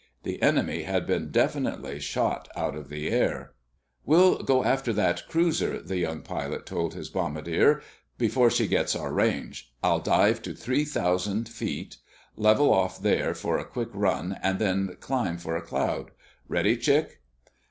The enemy had been definitely shot out of the air. "We'll go after that cruiser," the young pilot told his bombardier. "Before she gets our range, I'll dive to three thousand, level off there for a quick run, and then climb for a cloud. Ready, Chick?"